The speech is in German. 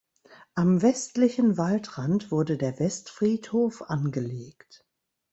Am westlichen Waldrand wurde der Westfriedhof angelegt.